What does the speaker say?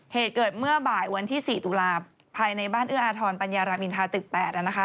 เหตุเกิดเมื่อบ่ายวันที่๔ตุลาภายในบ้านเอื้ออาทรปัญญารามินทาตึก๘นะคะ